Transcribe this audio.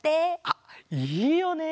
あっいいよね！